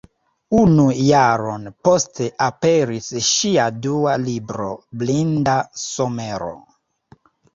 Unu jaron poste aperis ŝia dua libro Blinda somero.